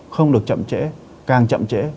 không được chậm trễ càng chậm trễ